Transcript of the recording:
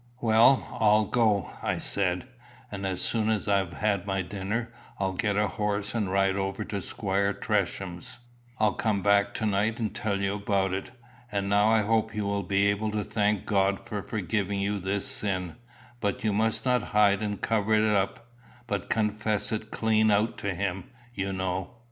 "Well, I'll go," I said; "and as soon as I've had my dinner I'll get a horse and ride over to Squire Tresham's. I'll come back to night and tell you about it. And now I hope you will be able to thank God for forgiving you this sin; but you must not hide and cover it up, but confess it clean out to him, you know."